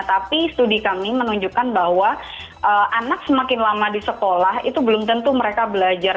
tapi studi kami menunjukkan bahwa anak semakin lama di sekolah itu belum tentu mereka belajar